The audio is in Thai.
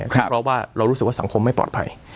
เพราะว่าเรารู้สึกว่าสังคมไม่ปลอดภัย